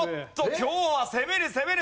今日は攻める攻める。